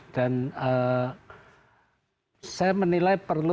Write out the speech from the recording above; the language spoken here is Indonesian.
dan saya menilai perlu